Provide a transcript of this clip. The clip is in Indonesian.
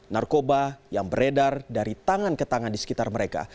narkoba yang beredar dari tangan ke tangan di sekitar mereka